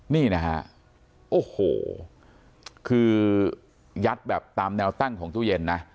นี่นะฮะโอ้โหคือยัดแบบตามแนวตั้งของตู้เย็นนะ